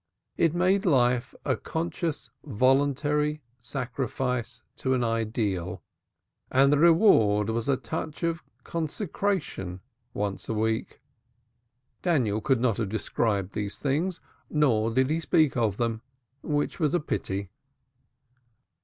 It made life a conscious voluntary sacrifice to an ideal, and the reward was a touch of consecration once a week. Daniel could not have described these things, nor did he speak of them, which was a pity.